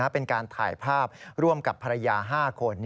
เป็นการถ่ายภาพร่วมกับภรรยา๕คน